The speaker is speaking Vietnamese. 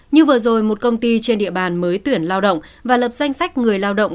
như vừa rồi một công ty trên địa bàn mới tuyển lao động và lập danh sách người lao động